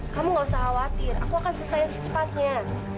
kamu nggak usah khawatir aku akan selesainya secepatnya